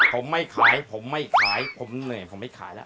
ผมไม่ขายผมไม่ขายผมเหนื่อยผมไม่ขายแล้ว